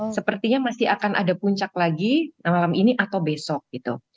sepertinya masih akan ada puncak lagi malam ini atau besok gitu